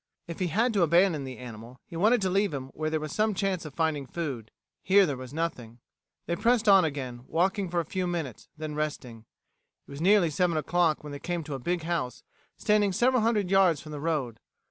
If he had to abandon the animal, he wanted to leave him where there was some chance of finding food. Here there was nothing. They pressed on again, walking for a few minutes, then resting. It was nearly seven o'clock when they came to a big house, standing several hundred yards from the road.